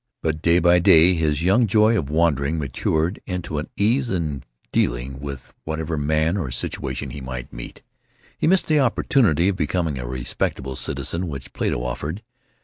But day by day his young joy of wandering matured into an ease in dealing with whatever man or situation he might meet. He had missed the opportunity of becoming a respectable citizen which Plato offered.